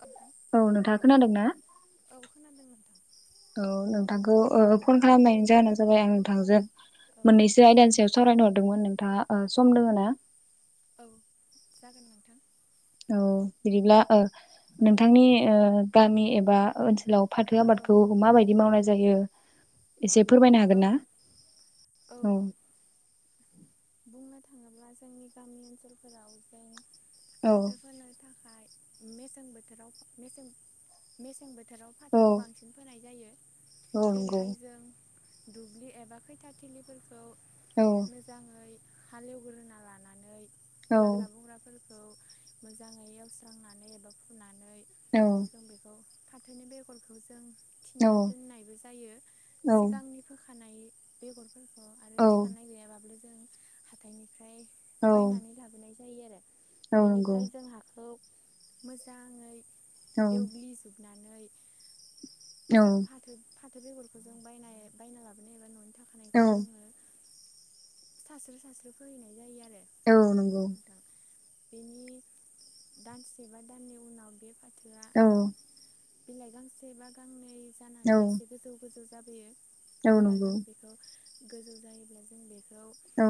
नोंथां औ नोंथाङा खोनादों ना औ खोनादों नोंथां औ। नोंथांखौ फन खालामनायनि जाहोना जाबाय आं नोंथांजों औ मोननैसो आयदानि सायाव सावरायनो हरदोंमोन नोंथाङा सम दोंङो ना? औ जागोन नोंथां। औ बिदिब्ला औ नोंथांनि गामि एबा ओनसोलाव फाथो औ आबादखौ माबायदि मावनाय जायो? एसे फोरमायनो औ हागोन ना औ औ। बुंनो थाङोब्ला जोंनि गामि ओनसोलफोराव जों औ फाथोफोरानो थाखाय मेसें बोथोरावसें मेसें बोथोर फोथोराव औ फाथोखौ बांसिन फोनाय जायो औ नंगौ जेरैहाय जों दुब्लि एबा खैथाथिलिफोरखौ औ मोजांङै। हालेवग्रोना लानानै औ हाग्रा बंग्रा बे खौ मोजांङै एवस्रांनानै एबा फुनानै औ जों बेखौ फाथोनि बेगरखौ जों औ थिना दोननायबो जायो औ सिगांनि थिखानाय बेगरफोरखौ आरो औ थिखानाय गैयाबाब्ला जों हाथानि फ्राय बायनानै लाबोनाय जायो आरो नंगौ बेनिफ्राय जों हाखौ मोजांङै औ एवग्लिजोबना औ फाथो फाथो बेगरखौ जों बाय बायना लाबोनो एबा न' औ। सास्रो सास्रो फैहैनाय जायो आरो। औ नंगौ। नोंथां बेनि दानसेबा दाननि उनाव बे फाथो औ। बिलाइ गांसे बा गांनै जानानै एसे औ गोजौ गोजौ जाब अब्ला नंगौ जों बेखौ गोजौ जायोब्ला जों बेख औ।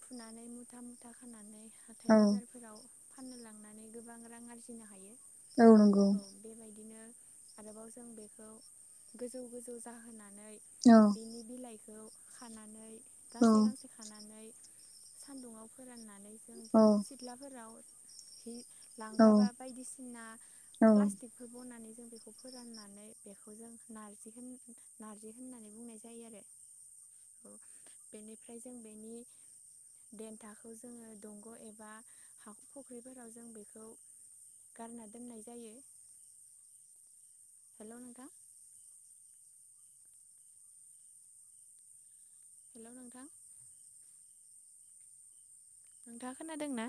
फुनानै मुथा मुथा खानानै हाथाय औ बाजारफोराव फाननो लांनानै गोबां रां आरजिनो हायो। औ नंगौ। औ बेबायदिनो आरोबाव जों बेखौ गोजौ गोजौ जाहोनानै औ बिनि बिलाइख खौ खानानै औ गांसे गांसे खानानै सान्दुंआव फोराननानै जों औ बि सिथ्लाफोराव हि लांगाबा बायदिसिना औ प्लास्टिकफोर बनानै जों बेखौ फोराननानै बेखौ जों नारजि होन नार्जि होननानै बुंनाय जायो आरो। औ बेनिफ्राय जों बेनि देन्थाखौ जोङो दंग' एबा हा फुख्रिफोराव जों बेखौ गारना दोननाय जायो हेल' नोंथां। हेल' नोंथां। नोंथाङा खोनादोंना?